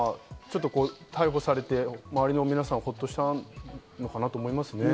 逮捕されて周りの皆さんは、ホッとしたのかなと思いますね。